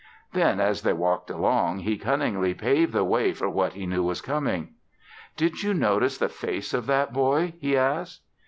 Then, as they walked along, he cunningly paved the way for what he knew was coming. "Did you notice the face of that boy?" he asked.